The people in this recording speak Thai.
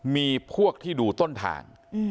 มีพวกที่ดูต้นทาง